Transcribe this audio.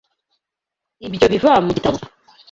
Ibyo biva mu gitabo?